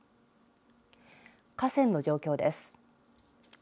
河川の状況です。